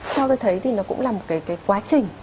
sau tôi thấy thì nó cũng là một cái quá trình